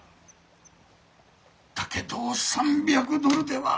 だけど３００ドルでは。